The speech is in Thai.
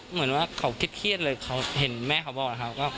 เหมือนว่าเขาเครียดเลยเขาเห็นแม่เขาบอกนะครับ